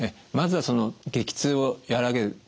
まずはその激痛をやわらげる。